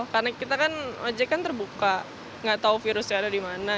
karena kita kan aja terbuka nggak tahu virusnya ada di mana